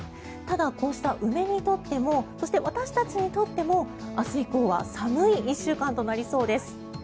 ただ、こうした梅にとってもそして私たちにとっても明日以降は寒い１週間となりそうです。